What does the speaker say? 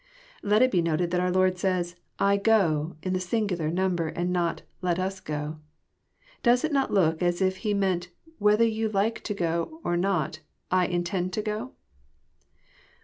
Let it be noted that our Lord says, *^ I go," in the singular number, and not *' Let us go." Does it not look as if^He meant, Whether you like to go or not, I intend to go?